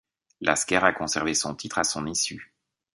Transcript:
Lasker a conservé son titre à son issue.